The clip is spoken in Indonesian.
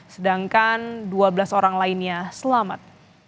sedangkan dua belas orang lainnya selamat